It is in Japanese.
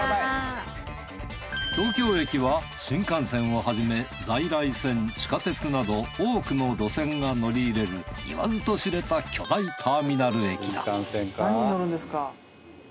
東京駅は新幹線をはじめ在来線地下鉄など多くの路線が乗り入れる言わずと知れた巨大ターミナル駅だ